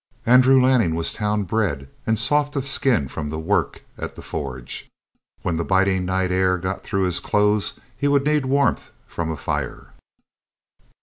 Andrew Lanning was town bred and soft of skin from the work at the forge. When the biting night air got through his clothes he would need warmth from a fire.